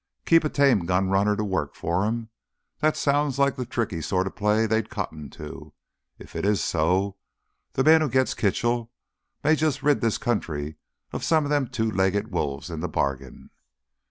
Keep a tame gunrunner to work for 'em—that sounds like th' tricky sorta play they cotton to. If it is so, th' man who gits Kitchell may jus' rid this country of some of them two legged wolves into th' bargain."